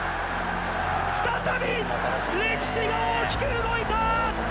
再び歴史が大きく動いた！